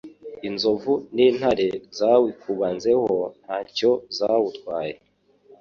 inzovu n'intare zawikubanzeho ntacyo zawutwaye